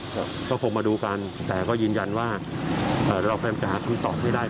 ก็คงมาดูกันแต่ก็ยืนยันว่าเราพยายามจะหาคำตอบให้ได้